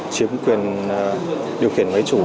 chiếm quyền điều khiển với chủ